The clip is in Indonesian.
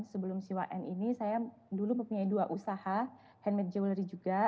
sebelum siwa n ini saya dulu mempunyai dua usaha handmade jewelry juga